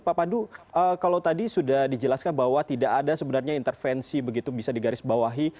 pak pandu kalau tadi sudah dijelaskan bahwa tidak ada sebenarnya intervensi begitu bisa digarisbawahi